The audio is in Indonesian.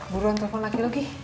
buruan telepon lagi lagi